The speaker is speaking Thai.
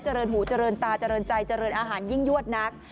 เรินหูเจริญตาเจริญใจเจริญอาหารยิ่งยวดนัก